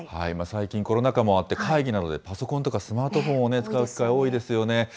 最近、コロナ禍もあって、会議などでパソコンやスマートフォンを使う機会多いですよね。